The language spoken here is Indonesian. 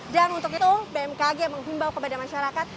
dan untuk itu bmkg menghimbau kepada masyarakat